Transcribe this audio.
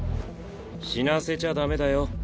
死なせちゃダメだよ。